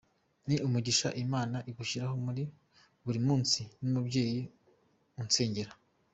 Ni umugisha Imana igushyiraho buri munsi n’umubyeyi unsengera.